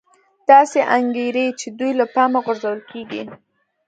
داسې انګېري چې دوی له پامه غورځول کېږي